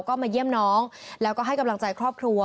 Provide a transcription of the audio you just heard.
ก็มาเยี่ยมน้องแล้วก็ให้กำลังใจครอบครัว